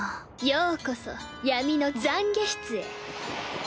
・ようこそ闇の懺悔室へ。